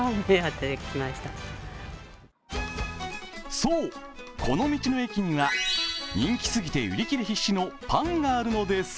そう、この道の駅には人気すぎて売り切れ必至のパンがあるんです。